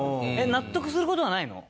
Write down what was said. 納得する事はないの？